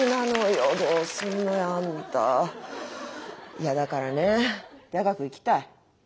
いやだからね大学行きたい？